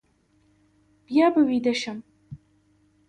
بیا به ویده شم.